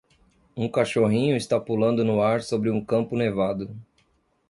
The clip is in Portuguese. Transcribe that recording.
Um cachorrinho está pulando no ar sobre um campo nevado.